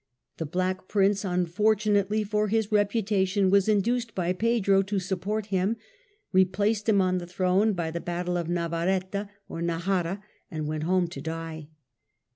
The Black Prince, unfortunately for his reputation, was induced by Pedro to support him, replaced him on the throne by the battle of Navaretta or Najara, and went home to die.